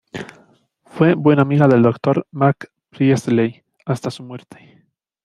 Fue buena amiga del actor Mark Priestley, hasta su muerte.